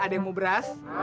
ada yang mau beras